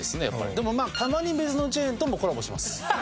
でもまあたまに別のチェーンともコラボします。